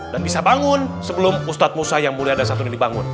dan bisa bangun sebelum ustadz musa yang mulia dan satunya dibangun